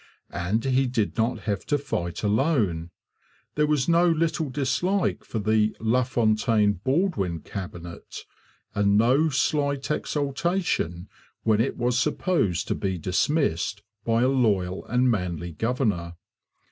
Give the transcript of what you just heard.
And he did not have to fight alone. There was no little dislike for the LaFontaine Baldwin Cabinet and no slight exultation when it was supposed to be 'dismissed' by a loyal and manly governor.